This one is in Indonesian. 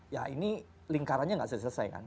ya ini lingkarannya nggak selesai selesai kan